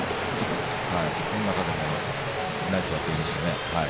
その中でもナイスバッティングでしたね。